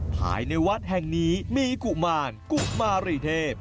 ภายในวัดแห่งนี้มีกุมารกุมารีเทพ